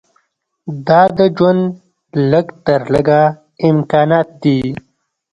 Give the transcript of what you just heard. دا د ژوند لږ تر لږه امکانات دي.